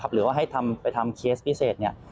หรือว่าให้ไปทำเคสพิเศษ